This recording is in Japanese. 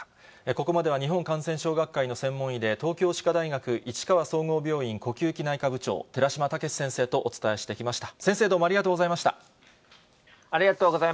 ここまでは日本感染症学会の専門医で、東京歯科大学市川総合病院呼吸器内科部長、寺嶋毅先生とお伝えしてきました。